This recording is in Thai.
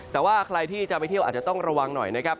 แต่ว่าใครที่จะไปเที่ยวอาจจะต้องระวังหน่อยนะครับ